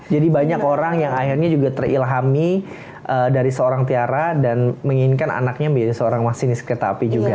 jadi banyak orang yang akhirnya juga terilhami dari seorang tiara dan menginginkan anaknya menjadi seorang masinis kereta api juga